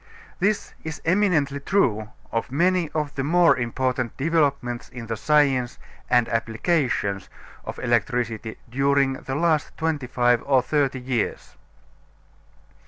This is eminently true of many of the more important developments in the science and applications of electricity during the last twenty five or thirty years.